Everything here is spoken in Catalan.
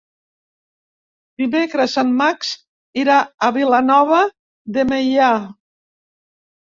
Dimecres en Max irà a Vilanova de Meià.